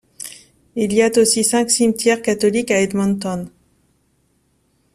Il y aussi cinq cimetières catholiques à Edmonton.